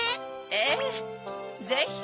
ええぜひ。